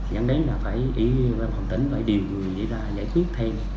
vẫn đến là phải ý ban phòng tỉnh phải điều người để ra giải quyết thêm